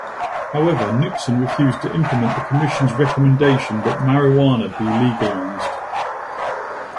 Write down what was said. However, Nixon refused to implement the Commission's recommendation that marijuana be legalized.